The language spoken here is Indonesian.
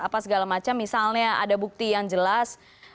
apa segala macam misalnya ada bukti yang jelas